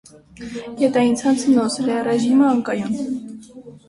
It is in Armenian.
Գետային ցանցը նոսր է, ռեժիմը՝ անկայուն։